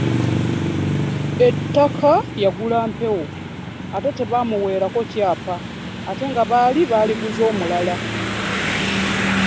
Ettaka yagula mpewo anti tebamuleko kyapa ate nga baali baliguza mulala .